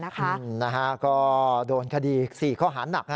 ก็โดนคดี๔ข้อหานัก